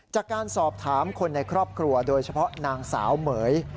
จากการสอบถามคนในครอบครัวโดยเฉพาะนางสาวเหม๋ย